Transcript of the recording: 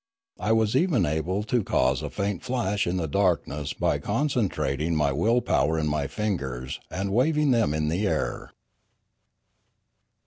I was even able to cause a faint flash in the darkness by concen trating my will power in my fingers, and waving them in the air.